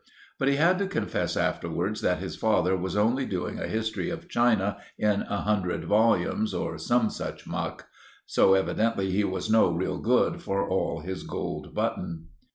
But he had to confess afterwards that his father was only doing a history of China in a hundred volumes, or some such muck; so evidently he was no real good, for all his gold button.